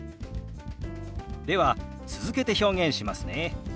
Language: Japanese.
では続けて表現しますね。